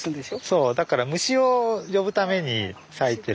そうだから虫を呼ぶために咲いてる。